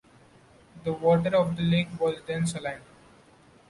The water of the lake was then saline.